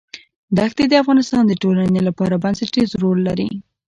دښتې د افغانستان د ټولنې لپاره بنسټيز رول لري.